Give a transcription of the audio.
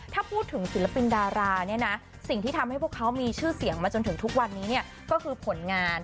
ถ้าพูดถึงศิลปินดาราเนี่ยนะสิ่งที่ทำให้พวกเขามีชื่อเสียงมาจนถึงทุกวันนี้เนี่ยก็คือผลงาน